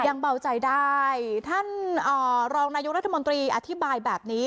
ยังเบาใจได้ท่านรองนายกรัฐมนตรีอธิบายแบบนี้